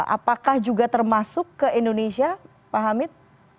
apakah juga termasuk ke indonesia pak hamid